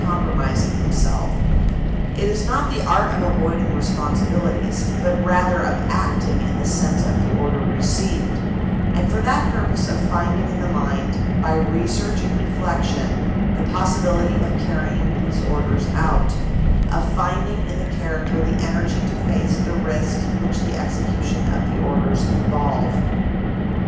20 290 CANADA S HUNDRED DAYS compromising himself; it is not the art of avoiding respon sibilities, but rather of acting in the sense of the order received, and for that purpose of finding in the mind, by research and reflection, the possibility of carrying these orders out, of find ing in the character the energy to face the risks which the execution of the orders involve."